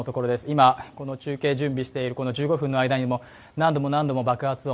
今中継準備をしている１５分くらいの間も何度も何度も爆発音